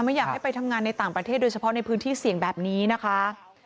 ไม่อยากให้ไปทำงานในต่างประเทศโดยเฉพาะในพื้นที่เสี่ยงแบบนี้นะคะ